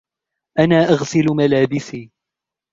أنا أغسل ملابسي.